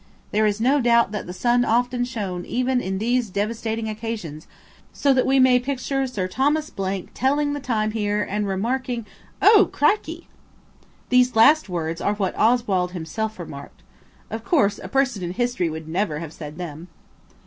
There is no doubt that the sun often shone even in these devastating occasions, so that we may picture Sir Thomas Blank telling the time here and remarking–O crikey!" These last words are what Oswald himself remarked. Of course a person in history would never have said them.